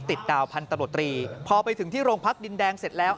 ดาวพันธบตรีพอไปถึงที่โรงพักดินแดงเสร็จแล้ว